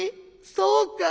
そうかい？